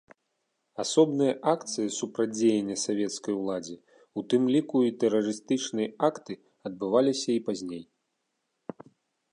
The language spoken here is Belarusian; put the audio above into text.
Асобныя акцыі супрацьдзеяння савецкай уладзе, у тым ліку і тэрарыстычныя акты адбываліся і пазней.